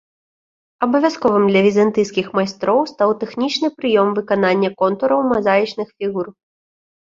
Абавязковым для візантыйскіх майстроў стаў тэхнічны прыём выканання контураў мазаічных фігур.